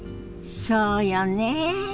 そうよね。